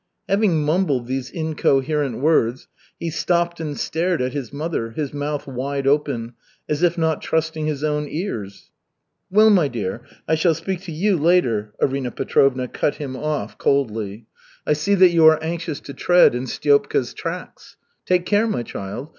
Having mumbled these incoherent words, he stopped and stared at his mother, his mouth wide open, as if not trusting his own ears. "Well, my dear, I shall speak to you later," Arina Petrovna cut him off coldly. "I see that you are anxious to tread in Stiopka's tracks. Take care, my child.